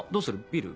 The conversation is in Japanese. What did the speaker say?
ビール？